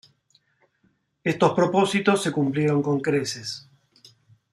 Estos propósitos se cumplieron con creces.